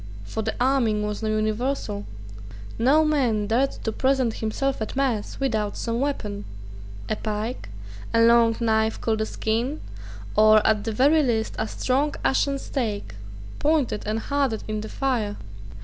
For the arming was now universal. No man dared to present himself at mass without some weapon, a pike, a long knife called a skean, or, at the very least, a strong ashen stake, pointed and hardened in the fire.